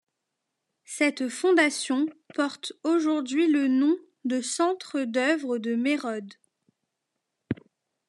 Cette fondation porte aujourd’hui le nom de Centre d'Œuvre de Merode.